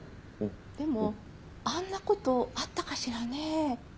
でもあんな事あったかしらね？